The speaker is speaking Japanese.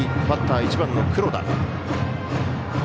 バッター、１番の黒田。